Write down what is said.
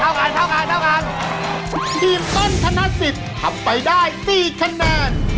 เท่ากันเท่ากันทีมต้นธนาศิษฐ์ขับไปได้๔คะแนน